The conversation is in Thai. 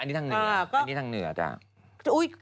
อันนี้ทางเหนืออันนี้ทางเหนือนะครับอันนี้เนื้อ